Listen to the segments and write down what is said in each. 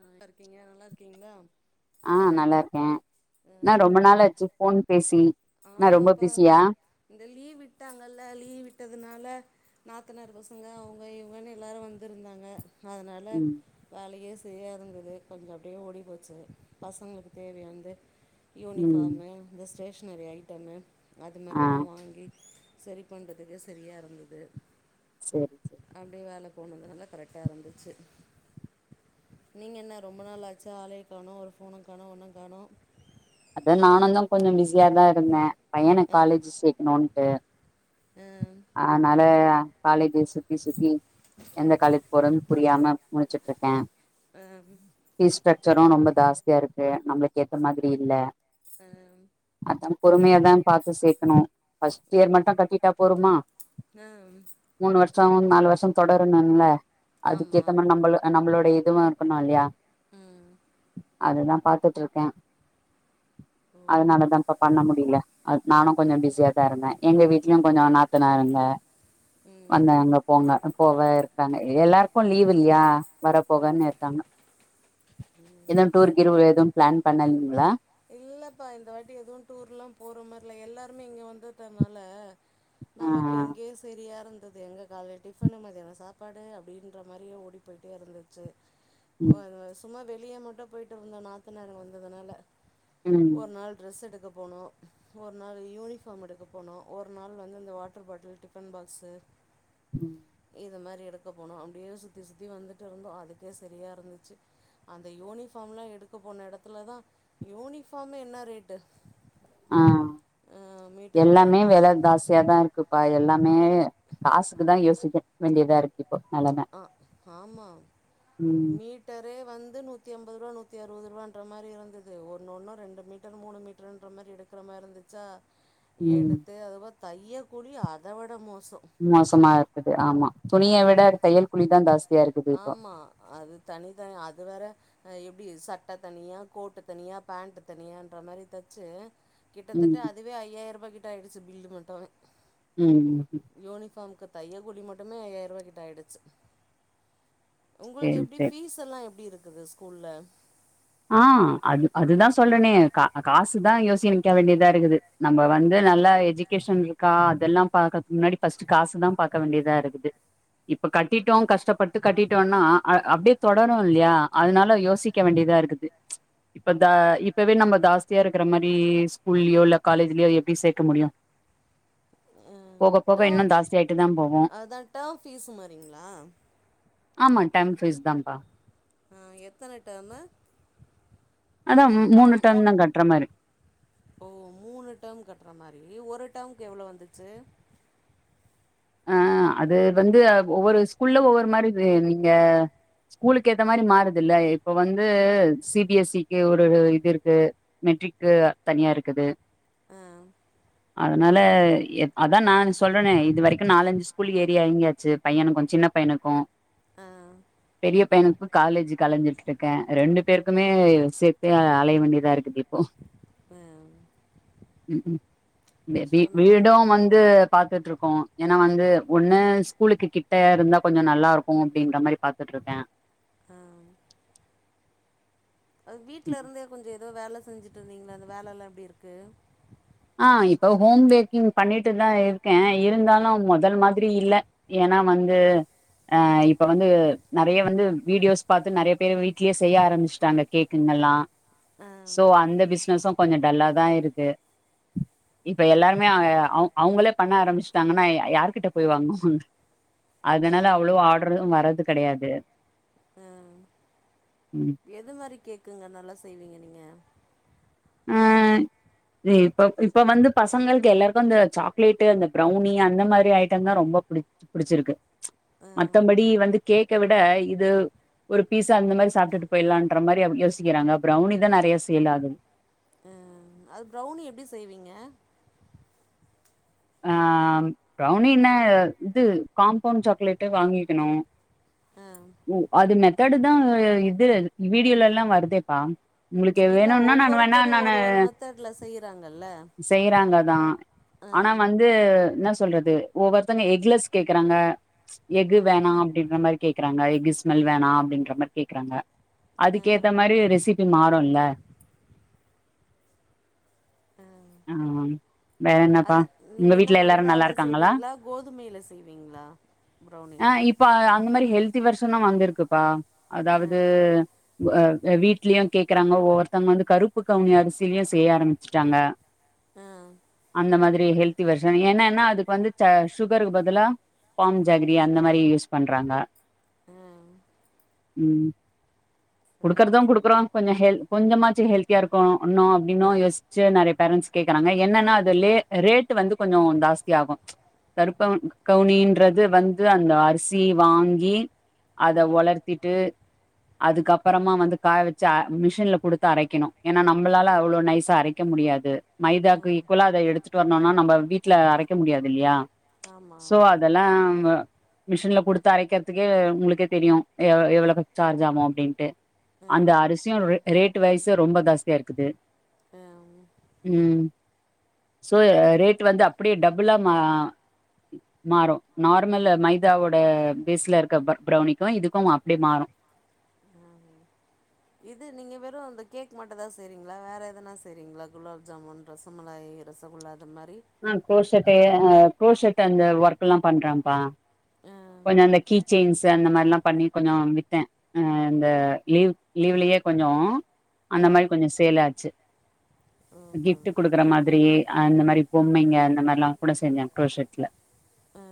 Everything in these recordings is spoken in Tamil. ஆ இருக்கீங்க நல்லா இருக்கீங்களா ஆ நல்லா இருக்கே அஹ் என்னா என்ன ரொம்ப நாளாச்சு பண்ணிற்றுக் ஃபோன் பேசி என்னா ரொம்ப ஆமாப்பா பிஸியா இந்த லீவ் விட்டாங்கல்ல லீவ் விட்டதுனால நாத்தனார் பசங்க அவங்க இவங்கன்னு எல்லாரும் வந்துருந்தாங்க அதனால ம் வேலையே தெரியாதுங்குது கொஞ்சோ அப்டியே ஓடி போச்சு பசங்களுக்கு தேவையானந்து ம் யூனிஃபாமு [unintelligible] ஸ்டேஷனரி ஐட்டமு அது ஆ மாரிலா வாங்கி சரி பண்றதுக்கே சரியா இருந்தது சேரி சேரி அப்டியா [unintelligible] ஃபோன் வந்தனால கரெக்டாக இருந்துச்சு நீங்க என்ன ரொம்ப நாள் ஆச்சு ஆளையே காணோ ஒரு ஃபோன காணோ ஒன்னும் காணோ அதா நானுந்தா கொஞ்ச பிஸியாதா இருந்தே பையன ஆ காலேஜு சேக்கணுன்ட்டு ஆ அதனால அ காலேஜ சுத்தி சுத்தி எந்த காலேஜு போறதுன்னு புரியாம முழிச்சுட்ருக்கே அம் ஃபீஸ் [unintelligible] [unintelligible] ரொம்ப ஜாஸ்தியா இருக்கு நம்மளுக்கு ஏத்த மாதிரி அப்டி இல்ல ஆ பொறுமையாதான் பாத்து சேக்கணு ஃபஸ்ட் ஓ இயர் மட்டும் கட்டிட்டா போருமா அம் மூணு வருஷ் சோ அவனு நாலு வருஷம் தொடரணுல்ல அதுக்கு ஆமா ஏத்த மாரி நம்பள் நம்மளோடைய [unintelligible] இருக்கணு இல்லையா ம் அதுதா பாத்துட்ருக்கே ஓ அதனாலதாம்ப்பா பண்ண முடியல அ நானு கொஞ்ச பிஸியாதா இருந்தே எங்க வீட்லயு கொஞ்ச நாத்தனாருங்க ம் வந்தாங்க போங்க போவ இருக்காங்க எல்லாருக்கு லீவ் இல்லையா வர போகன்னு இருக்காங்க எதும் டூர் கீர் எதும் பிளான் பண்ண [unintelligible] ஹலோ இல்லப்பா இந்த வாட்டி எதுவு டூர் எல்லா போற மாரி இல்ல எல்லாருமே இங்க வந்துட்டனால ஆ நமக்கு இங்கயே சரியா இருந் அது எங்க காலைல டிஃபனு மத்தியான சாப்பாடு அப்டின்ற மாரியே ஓடிப் போய்ட்டே இருந்துச்சு ம் ஓ அது சும்மா [unintelligible] [unintelligible] மட்டு போயிட்டு வந்தோ நாத்தனார் வந்ததுனால ம் ஒரு நாள் ட்ரெஸ் எடுக்க போனோ ஒரு நாள் யூனிஃபார்ம் எடுக்க போனோ ஒரு நாள் வந்து இந்த வாட்டர் பாட்டில் டிஃபன் பாக்ஸு ம் இத மாரி எடுக்க போனோம் அப்டியே சுத்தி சுத்தி வந்துட்டு இருந்தோ அதுக்கே சரியா இருந்துச்சு அந்த யூனிஃபாம் லாம் எடுக்க போன எடத்துலதா யூனிஃபாமு என்ன ரேட்டு ஆ மீட்டர் எல்லாமே கணக்கில் வெல ஜாஸ்தியாதா இருக்குப்பா எல்லாம் [unintelligible] காசுக்குதா யோசிக்க வேண்டியதா இருக்கு இப்போ நெலம ஆ ஆமா ம் மீட்டரே வந்து நூத்தி அம்பது ரூவா நூத்தி அறுபது ரூவான் [unintelligible] மாரி இருந்தது ஒன்னொன்னு ரெண்டு மீட்டர் மூணு மீட்டர்ன்ற மாரி எடுக்கிற மாரி இருந்துச்சா ம் எடுத்து [unintelligible] தைய கூலி அதவிட மோச மோசமா இருக்குது ஆமா துணிய விட தையல் கூலிதா ஜாஸ்த் ஆமா அது தனி -தனி அது வேற ஆ எப்டி சட்டை தனியாக கோட்டு தனியாக பேண்ட்டு தனியான்ற மாரி தச்சு கிட்டத்தட்ட ம் அதுவே ஐயாயிரூபா கிட் ட்டாயிடுச்சு பில்லு மட்டு ம் ம் தைய கூலி மட்டுமே ஐயாயிர ரூவா கிட்ட ஆயிடுச்சு உங்கள்து சேரி சேரி எப்டி ஃபீஸ் எல்லா எப்டி இருக் இது ஸ்கூல்ல ஆ அது - அதுதா சொல்றனே கா காசுதா யோசினிக்க வேண்டியதா இருக்குது நம்ம வந்து நல்லா எஜுகேஷன் இருக்கா அதெல்லா பாக்கறதுக்கு முன்னாடி ஃபஸ்ட் காசுதா பாக்க வேண்டியதா இருக்குது இப்ப கட்டிட்டோ கஷ்டப்பட்டு கட்டிட்டோன்னா அ அப்டியே தொடரு இல்லையா அதனால யோசிக்க வேண்டியதா இருக்கு இப்ப இந்த இப்பவே நம்ம ஜாஸ்தியா இருக்கற மாரி ஸ்கூல்லயோ இல்ல காலேஜ்லயோ எப்டி சேக்க முடியு அ டேர்ம் [inaudible] அதான் டேர்ம் ஃபீஸ் மாரிங்களா ஆமா டெர்ம் ஃபீஸ் தாம்ப்பா ஆ எத்தன டேர்மு அதான் [unintelligible] டேர்ம் மூணு தான் கட்ற மாரி. ஓ மூணு டெர்ம் கட்ற மாரி ஒரு டெர்ம்க்கு எவ்ளோ வந்துச்சு ஆ அது வந்து அ ஒவ்வொரு ஸ்கூல்ல ஒவ்வொரு மாரி இது நீங்க ஸ்கூலுக்கு ஏத்த மாரி மாறுதுல்ல இப்ப வந்து சி பி எஸ் சி க்கு ஒரு இது இருக்கு மெட்ரிக்கு தனியா இருக்குது ஆ அதனால எ அதா நானு சொல்றனே இது வரைக்கு நாலஞ்சு ஸ் [unintelligible] எறங்கியாச்சு பையனுக்கு சின்ன பையனுக்கு ஆ பெரிய பையனுக்கு காலேஜுக்கு அலைஞ்சிட்ருக்கே ரெண்டு பேருக்குமே சேத்தே அலைய வேண்டியதா இருக்குது இப்போ ஆ ம் ம் மேபி கஷ்டந்தா ஆனா வீடும் வந்து பாத்துட்ருக்கோம் ஏன்னா வந்து ஒண்ணு ஸ்கூலுக்கு கிட்ட இருந்தா கொஞ்சோ நல்லா இருக்கு அப்டின்ற மாரி பாத்துட்ருக்கே ஆ அது வீட்ல இருந்தே கொஞ்சோ ஏதோ வேல செஞ்சுட் ட்டிருந்தீங்களே அந்த வேலலா எப்டி இருக்கு ஆ இப்போ ஹோம் பேக்கிங் பண்ணிட்டுதா இருக்கே இருந்தாலு மொதல் மாதிரி இல்ல ஏன்னா வந்து ஆ இப்ப வந்து நெறைய வந்து வீடியோஸ் பாத்து நெறைய பேர் வீட்லயே செய்ய ஆரம்பிச்சுட்டாங்க கேக்குங்கல்லா ஆ சோ அந்த பிஸ்னஸும் கொஞ்சம் டல்லாதா இருக்கு இப்ப எல்லாருமே அவுங்களே பண்ண ஆரம்பிச்சுட்டாங்கன்னா யாருகிட்ட போய் வாங்குவங்க அதனால அவ்ளோ ஆர்டறும் வர்றது கிடையாது ஹ ம் எது மாரி கேக்குங்க நல்லா செய்வீங்க நீங்க ஆஹ இப்ப - இப்ப வந்து பசங்களுக்கு எல்லாருக்கும் இந்த சாக்லேட்டு அந்த ப்ரௌனி அந்த மாரி ஐட்டம் தான் ரொம்ப புடிச் - புடிச்சிருக்கு ஆ மத்தபடி வந்து கேக்க விட இது ஒரு பீஸ் அந்த மாரி சாப்பிட்டுட்டு போய்லாம்ன்றமரி யோசிக்கிறாங்க ப்ரௌனி தான் நெறைய சேல் ஆகுது ஆ அது ப்ரௌனி எப்டி செய்வீங்க ஆஹ ப்ரௌனின்ன இது காம்பவுண்ட் சாக்லேட்டு வாங்கிக்கணும் ஆ அது மெத்தடு தான் இது வீடியோலலாம் வருதேப்பா உங்களுக்கு இல்ல வேணுன்னா நான் வேணா ஒவ்வொருத்தரும் நானு ஒரு - ஒரு மெத்தடுல செய்றாங்கல்ல செய்யறாங்க தா ஆனா அஹ வந்து ன சொல்றது ஒவ்வொருத்தவங்க எக்லஸ் கேக்குறாங்க எகு ஆ வேணா அப்டின்ற மாரி கேக் [unintelligible] வேணா அப்டின்றமரி கேக்குறாங்க ஆ அதுக்கேத்த மாரி ரெசிப் பி மாரும்ல உம் வேற என்னப்பா அதா உங்க நீங்க என்ன வீட்ல எல்லாரு நல்லா மைதால இருக்காங்களா செய்வீங்களா கோதுமையில் செய்வீங்களா ப்ரௌனி ஆ இப்ப அந்த மாரி ஹெல்தி வருர்ஷனும் வந்திருக்குப்பா ஆ அதாவது வீட்லயும் கேக்குறாங்க ஒவ்வொருத்தவங்க வந்து கருப்பு கவுனி அரிசிலயும் செய்ய ஆரம்பிச்சுட்டாங்க ஆ அந்த மாரி ஹல்திவர்சன் என்னன்னா அதுக்கு வந்து ச சுகருக்கு பதிலா பாம் ஜாகரி அந்த மாதிரி யூஸ் பண்றாங்க ஹ உம் குடுக்குறதான் சரி கொடுக்குறம் கொஞ்சம் ஹெல் கொஞ்சமாச் [unintelligible] ஹெல்தியா இருக்கும்னோ அப்டின்னோ யோசிச்சு நெறைய பேரண்ட்ஸ் கேக்குறாங்க என்னன்னா அது ரே ரேட்டு வந்து கொஞ்சம் ஜாஸ்தி ஆகும் கருப்பு கவுனின்றது வந்து அந்த அரிசி வாங்கி அத ம் உளர்த்திட்டு அதுக்குப்புறமா வந்து காய வச்சு மிஷின்ல குடுத்து அரைக்கணும் ஏன்னா நம்மளால அவ்ளோ நைஸா அரைக்க முடியாது மைதாக்கு ம் ஈகுலா அத எடுத்துட் ட்டு வரணோனா நம்ம வீட்டுல அரைக்க முடியாது இல்லையா ஆமா சோ அதெல்லாம் மிஷன்ல கொடுத்து அரைக்கிறதுக்கே உங்களுகே தெரியும் எவ் எவ்வளோ சார்ஜ் ஆகும் அப்டின்ட்டு அந்த ம் அரிசியும் ரே ரேட் வைசும் ரொம்ப ஜாஸ்தியாக இருக்குது ஹ ம் சோ ரேட் வந்து அப்படியே டபுளா மா மாறும் நார்மல் மைதாவோட பேஸ்ல இருக்க ப்ரொக் ப்ரௌனிக்கும் இதுக்கும் அப்டியே மாறும் இது நீங்க வெறும் இந்த கேக் மட்டும் தான் செய்றீங்களா வேற எதுனா செய்ரிங்களா குலாப் ஜாமுன் ரசமலாய் ரசகுல்லா அது மாரி ஆ கோஷ அஹ குரோஷர்ட் அந்த ஒர்க்க எல்லாம் பண்றேன்ப்பா ஆ கொஞ்சம் அந்த கீ செயின்ஸ் அந்த மாரிலாம் பண்ணி கொஞ்சம் வித்தேன் அ அந்த லீவ் லீவ்லயே கொஞ்சம் அந்த ஆ மாரி கொஞ்சம் சேலாச்சு ஓகே கிஃப்ட்டு ஓகே கொடுக்குற மாரி அந்த மாரி பொம்மைங்க அந்த மாரிலாம் கூட செஞ்சே க்ரோஷரட்ல ஆ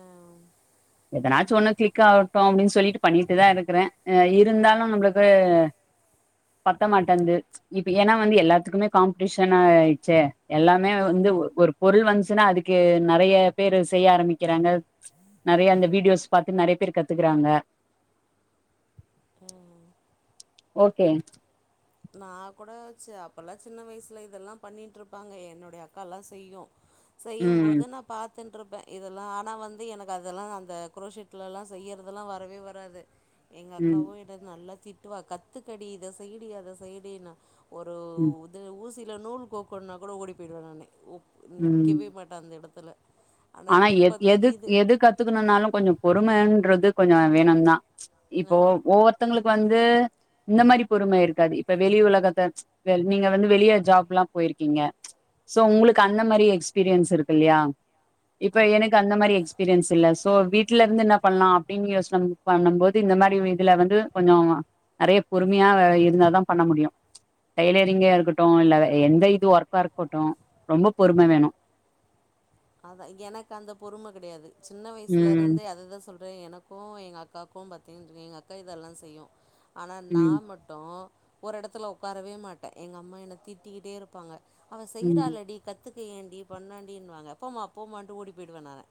எதனாச்சும் ஒண்ணு கிளிக் ஆகட்டும் அப்டின்னு சொல்லிட்டு பண்ணிட்டு தான் இருக்கிறேன் அ ஆ இருந்தாலும் நம்ளுக்கு பத்த மாட்டேந்து இப்ப ஏன்னா வந்து எல்லாத்துக்குமே காம்படிஷன் ஆயிடுச்சே எல்லாமே வந்து ஆமா ஒரு - ஒரு பொருள் வந்துச்சுன்னா அதுக்கு நெறைய பேரு செய்ய ஆரம்பிக்கிறாங்க நெறைய அந்த வீடியோஸ் பாத்து நெறைய பேர் கத்துக்றாங்க ம் ஓகே நா கூட ச் அப்பெல்லா சின்ன வயசுல இதெல்லா பண்ணிட்ருப்பாங்க என்னுடைய அக்கா எல்லா செய்யு செய்யும் ம் போது நான் பார் த்துட்ருப்பேன் இதெல்லாம் ஆனா வந்து எனக்கு அதெல்லாம் அந்த குரோஷிட்ல எல்லா செய்யறதெல்லாம் வரவே வராது எங்க ம் அக்காவு என்ட்ட நல்ல திட்டுவா கத்துக்கடி இத செய்டி அத செய்டினா ஒரு ம் ஒத்த ஊசி நூல் கோக்குனா கூட ஓடி போயிடுவே நானு ம் நிக்கவே மாட்டே அந்த இட தல்ல ஆனா எ-எது-எது கத்துக்கணுனாலு கொஞ்ச பொறும ன்றது கொஞ்ச வேணுந்தா இப்போ ஆமாம் ஒவ்வொருத்தவங்களுக்கு வந் து இந்த மாரி பொறும இருக்காது இப்ப வெளி உலகத்த வெ நீங்க வந்து வெளிய ஜாப் எல்லா போயிருக்கீங்க சோ உங்களுக்கு அந்த மாரி எக்ஸ்பீரியன்ஸ் இருக்கு இல்லையா இப்ப ஆமாம் எனக்கு அந்த மாதிரி எக்ஸ்பீரியன்ஸ் இல்ல தோ வீட்டுல இருந்து என்ன பண்ணலா அப்டின்னு யோசன பண்ணும் போது இந்த மாதிரி வீட்ல வந்து கொஞ்ச நெறைய பொறுமையா இருந்தாதான் பண்ண முடியும் டைலரிங்கா ம் இருக்கட்டு இல்ல அ எந்த து ஒர்க்கா இருக்கட்டு ரொம்ப பொறும வேணு அதான் எனக்கு அந்த பொறுமை கிடையாது சின்ன வயசுல ம் இருந்து அதுதா சொல் எனக்கு எங்க அக்காக்கும் பாத்தீங்க எங்க அக்கா இதெல்லாம் செய்யு ஆனா நா ம் மட்டு ஒரு இடத்துல உட்காரவே மாட்டே எங்க அம்மா என்னை திட்டிக்கிட்டே இருப்பாங்க அவள் ம் செய்றாளடி கத்துக் ஏண்டி பன்னாண்டின்னு வாங்க போமா-போமாண்ட்டு ஓடி விடுவ நானு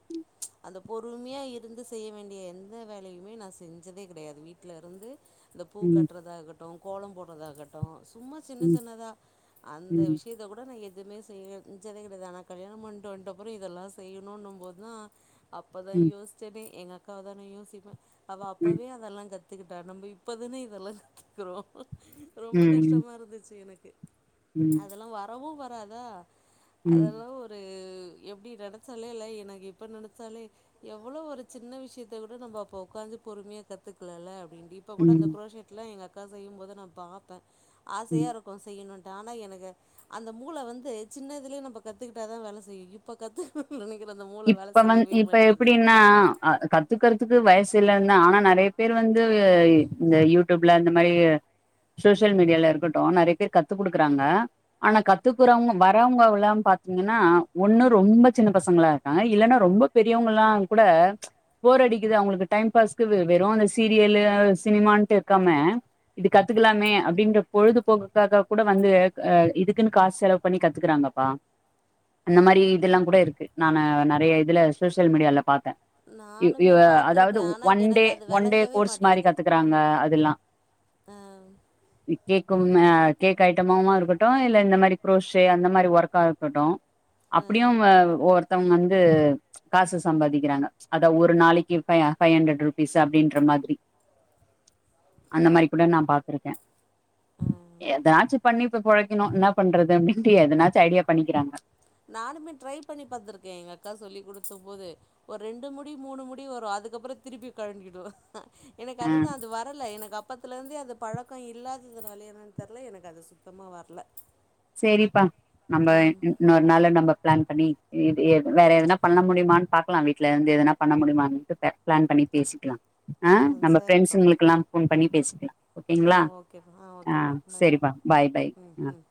அந்த பொறுமையா இருந்து செய்ய வேண்டிய எந்த வேலையுமே நா செஞ்சதே கிடையாது வீட்டுல இருந்து இந்த பூ ம் கட்டுறதாக ட்டும் கோலம் போடுறதாகட்டும் சும்மா ம் சின்ன-சின்னதா அந்த ம் விஷயத்த கூட நா எ எதுமே செய் செஞ்சதே கெடையாது ஆனா கல்யாணோ பண்ட்டு வன்ட்டோம் அப்புறம் இதெல்லாம் செய்யணும்ன்னும் போதுதா அப்போதா ம், யோசிச்சனே எங்க அக்காவ தா நா யோசிப்பே அவ ம், அப்பவே அதெல்லாம் க கத்துக்கிட்டா நம்ம இப்பதானே இதெல்லாம் கத்துக்கிறோம் ரொம்ப ம், கஷ்டமா இருந்துச்சு எனக் க்கே ம், அதுல வரவும் வ பாதா ம், அதெல்லாம் ஒரு எப்டி நெனச்சாலே இல்ல எனக்கு இப்போ நெனச்சாலே எவ்ளோ ஒரு சின்ன விஷயத்த கூட நம்ம அப்போ உக்காந்து பொறுமையா கத்துக்கல இல்ல அண்ட் இப்ப கூட அந்த ம், [unintelligible] எங்க அத் க செய்யும் போது நான் பாப்பேன் ஆசையா ம். இருக்கு செய்யணுன் ட் ஆனா எனக்கு அந்த மூளை வந்து சின்னதுலயே நம்ப கத்துக்கிட்டாதா வேலை செய்யு இப் இப்ப கத்துக்கணுன்ற நீ இப்ப வந்து இப்ப எப்படின்னா கத்துக்கறதுக்கு வயசு [unintelligible] ஆனா நறைய பேர் வந்து இந்த யூடியூப்ல இந்த மாரி சோசியல் மீடியாவில இருக்கட்டும் நறைய பேர் கத்து குடுக்குறாங்க ஆனா கத்துக்குறவங்க வரறவங்கல்ல பாத்தீங்கன்னா ஒன்னும் ரொம்ப சின்ன பசங்கள இரு ஹ இல்லனா ரொம்ப பெரியவங்கல்லாம் கூட போர் அடிக்குது அவங்ளுக்கு டைம் பாஸ்க்கு வெறும் அந்த சீரியலு சினிமட்டு இருக்காம இது கத்துக்கலாமே அப்டின்ற பொழுதுபோக்குக்காக கூட வந்து ஹ இதுக்குன்னு காசு செலவு பண்ணி கத்துக்குறாங்கப்பா அந்த மாதிரி இதெல்லாம் கூட இருக்கு நா நா நெறைய இதுல சோஷியல் மீடியால பாத்தே இ நானுமே இவ அதாவது பாத்துருக்கே ஆனா ஒன் டே எனக்கு அது ஒன் டே வெளங்கவே கோர்ஸ் மாரி மாட்டேங்குது கத்துக்குறாங்க அதுல்லாம் ஆ இ கேக் க்கும் அ கேக் ஐட்டமாமா இருக்கட்டு இல்ல இந்த மாரி குரோஷரி அந்த மாரி ஒர்க்கா இருக்கட்டு ஆ அப்டியும் அ ஒர் [unintelligible] வந்து காசு சம்பாதிக்கிறாங்க அத ஒரு நாளைக்கு ஃபைவ் ஃபைவ் ஹண்ட்ரட் ருபீஸ் அப்டின்ற மாதிரி அந்த மாரி கூட நான் பாத்திருக்கேன் ஆ ஏதாச்சும் பண்ணி இப்ப புழைக்கணும் என்ன பண்றது அப்படின்ட்டு எதனாச்சும் ஐடியா பண்ணிக்கிறாங்க நானுமே ட்ரை பண்ணி பார்த்திருக்கேன் எங்க அக்கா சொல்லி குடுத்த போது ஒரு ரெண்டு முடி மூணு முடி வரும் அதுக்கப்புறம் திருப்பி கழண்டிடுவ அ எனக்கு ஆ அதுதா அது வரல எனக்கு அப் அப்பத்துல இருந்தே அது பழக்கம் இல்லாததுனால என்னமோ தெரல எனக்கு அது சுத்தமா வரல செரிப்பா நம்ப ஆ இன்னொரு நாள்ல நம்ப பிளான் பண்ணி [unintelligible] வேற எதனா பண்ண முடியுமான்னு பாக்கலாம் வீட்டுல இருந்து எதனா பண்ண முடியமான்னுட்டு பிளான் பண்ணி பேசிக்கலாம் ஆ நம்ம ஃப்ரண்ட்ஸுங்களுக்கெல்லா ஃபோன் பண்ணி பேசிக்லா ஆ ஓகேங்களா ஓகேப்பா ஆ ஓகேப்பா பாய்ப்பா செரிப்பா பாய் பாய் ம் ஆ ம்